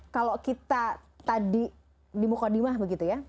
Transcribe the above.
kalau kita tadi di mukadimah begitu ya